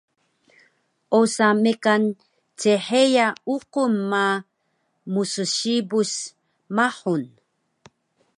Osa mekan cheya uqun ma mssibus mahun